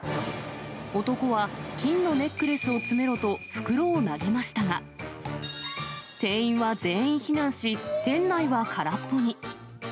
男は金のネックレスを詰めろと、袋を投げましたが、店員は全員避難し、店内は空っぽに。